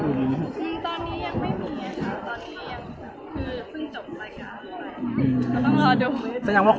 ตอนนี้ยังพึ่งจบดรับประกาศเลยยังต้องรอดู